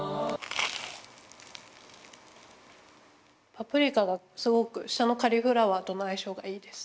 パプリカがすごく下のカリフラワーとのあいしょうがいいです。